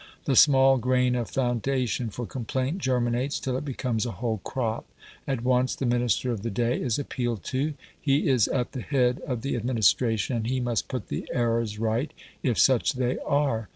The small grain of foundation for complaint germinates, till it becomes a whole crop. At once the Minister of the day is appealed to; he is at the head of the administration, and he must put the errors right, if such they are.